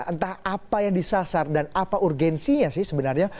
entah apa yang disasar dan apa urgensinya sih sebenarnya